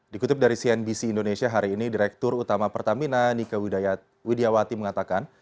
dikutip dari cnbc indonesia hari ini direktur utama pertamina nike widiawati mengatakan